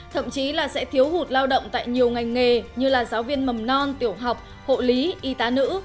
thậm chí là sẽ thiếu hụt lao động tại nhiều ngành nghề như giáo viên mầm non tiểu học hộ lý y tá nữ